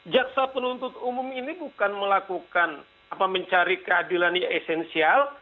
jaksa penuntut umum ini bukan melakukan mencari keadilan yang esensial